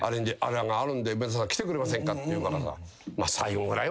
「梅沢さん来てくれませんか」って言うからさ。